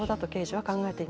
はい。